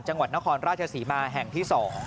จังหวัดนครราชศรีมาแห่งที่๒